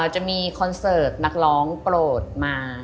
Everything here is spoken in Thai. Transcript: จะมีคอนเสิร์ตนักร้องโปรดมา